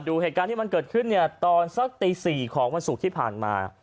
ดูเหตุการณ์ที่มันเกิดขึ้นตอนสักตี๔ของวันสุขที่ผ่านมา